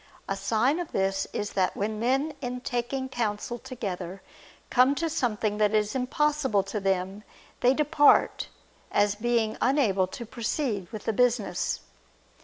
A sign of this is that when men in taking counsel together come to something that is impossible to them, they depart, as being unable to proceed with the business.